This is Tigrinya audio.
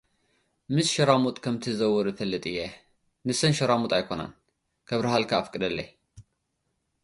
"ምስ ሸራሙጥ ከም እትዘውር እፈልጥ እየ።" "ንሰን ሸራሙጥ ኣይኮናን። ከብርሃልካ ኣፍቅደለይ።"